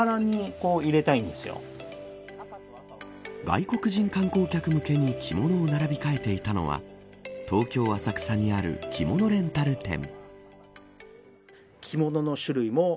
外国人観光客向けに着物を並び替えていたのは東京、浅草にある着物レンタル店。